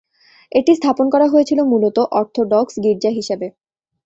এটি স্থাপন করা হয়েছিল মূলত অর্থোডক্স গির্জা হিসেবে।